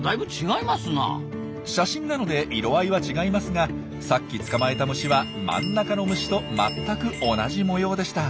写真なので色合いは違いますがさっき捕まえた虫は真ん中の虫と全く同じ模様でした。